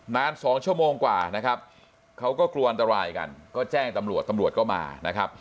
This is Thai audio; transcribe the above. นานสองชั่วโมงกว่านะครับเขาก็กลัวอันตรายกันก็แจ้งตำรวจตำรวจก็มานะครับ